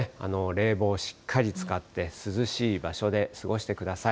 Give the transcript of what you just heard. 冷房しっかり使って、涼しい場所で過ごしてください。